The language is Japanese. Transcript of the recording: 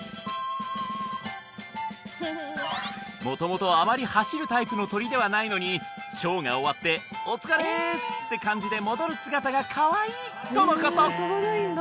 もともとあまり走るタイプの鳥ではないのにショーが終わって「お疲れっす」って感じで戻る姿がかわいいとのこと